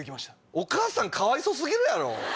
お母さんかわいそ過ぎるやろ。